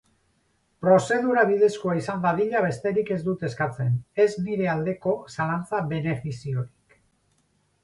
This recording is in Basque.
Prozedura bidezkoa izan dadila besterik ez dut eskatzen, ez nire aldeko zalantza-benefiziorik.